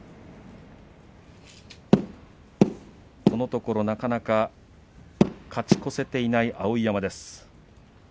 このところなかなか勝ち越せていない碧山です。